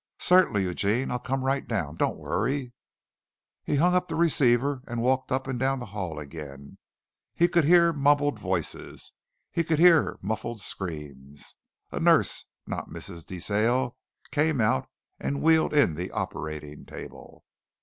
"Certainly, Eugene. I'll come right down. Don't worry." He hung up the receiver and walked up and down the hall again. He could hear mumbled voices he could hear muffled screams. A nurse, not Miss De Sale, came out and wheeled in the operating table.